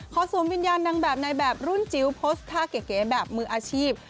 สวมวิญญาณนางแบบในแบบรุ่นจิ๋วโพสต์ท่าเก๋แบบมืออาชีพ